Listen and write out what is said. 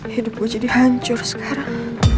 hidup gue jadi hancur sekarang